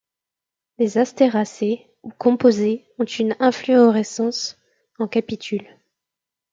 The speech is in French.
Les Astéracées, ou Composées, ont une inflorescence en capitule.